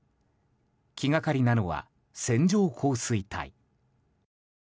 気がかりなのは線状降水帯。